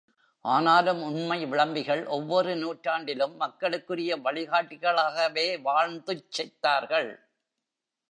ஆனாலும், உண்மை விளம்பிகள் ஒவ்வொரு நூற்றாண்டிலும் மக்களுக்குரிய வழிகாட்டிகளாகவே வாழ்ந்துச் செத்தார்கள்!